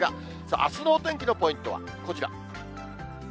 あすの天気のポイントは、こちら。